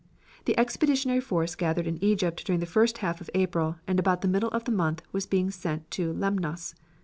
The expeditionary force gathered in Egypt during the first half of April, and about the middle of the month was being sent to Lemnos.